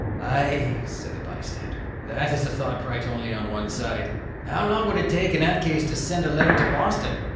"Ay," said a bystander, "that is a thought bright only on one side. How long would it take, in that case, to send a letter to Boston?